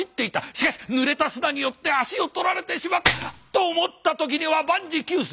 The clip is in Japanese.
しかしぬれた砂によって足を取られてしまった。と思った時には万事休す。